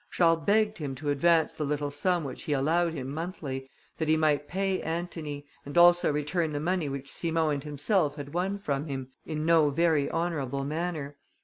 Charles begged him to advance the little sum which he allowed him monthly, that he might pay Antony, and also return the money which Simon and himself had won from him, in no very honourable manner.